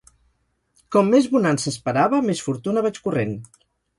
Com més bonança esperava, més fortuna vaig corrent.